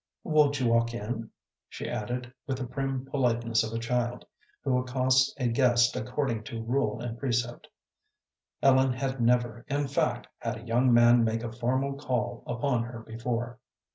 "Won't you walk in?" she added, with the prim politeness of a child who accosts a guest according to rule and precept. Ellen had never, in fact, had a young man make a formal call upon her before.